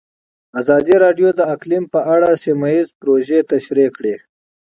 ازادي راډیو د اقلیم په اړه سیمه ییزې پروژې تشریح کړې.